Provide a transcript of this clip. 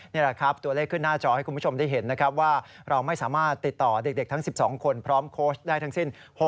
นี่แหละครับตัวเลขขึ้นหน้าจอให้คุณผู้ชมได้เห็นนะครับว่าเราไม่สามารถติดต่อเด็กทั้ง๑๒คนพร้อมโค้ชได้ทั้งสิ้น